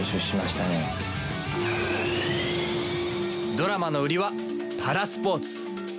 ドラマの売りはパラスポーツ。